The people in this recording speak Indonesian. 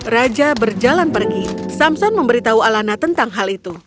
raja berjalan pergi samson memberitahu alana tentang hal itu